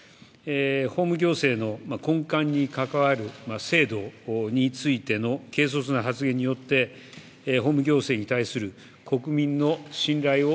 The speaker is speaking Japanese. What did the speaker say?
法務行政の根幹に関わる制度についての軽率な発言によって法務行政に関する国民の信頼を